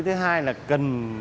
thứ hai là cần